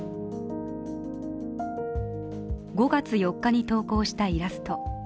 ５月４日に投稿したイラスト。